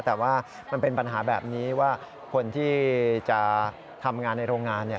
แต่ว่ามันเป็นปัญหาแบบนี้ว่าคนที่จะทำงานในโรงงานเนี่ย